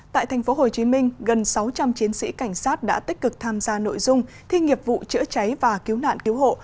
tại tp hcm gần sáu trăm linh chiến sĩ cảnh sát đã tích cực tham gia nội dung thi nghiệp vụ chữa cháy và cứu nạn cứu hộ